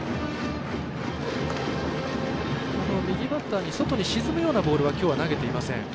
右バッターに外に沈むようなボールはきょうは投げていません。